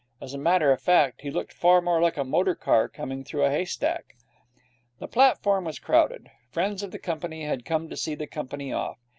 As a matter of fact, he looked far more like a motor car coming through a haystack. The platform was crowded. Friends of the company had come to see the company off.